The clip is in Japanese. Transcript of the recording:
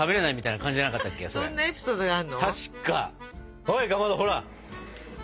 ほいかまどほら。